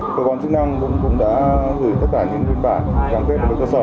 cơ quan chức năng cũng đã gửi tất cả những nguyên bản cam kết với cơ sở